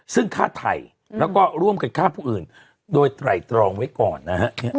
ซึ่งฆ่าไทยแล้วก็ร่วมกันฆ่าผู้อื่นโดยไตรตรองไว้ก่อนนะฮะ